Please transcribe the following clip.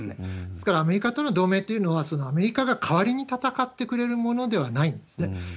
ですから、アメリカとの同盟っていうのは、アメリカが代わりに戦ってくれるものではないんですね。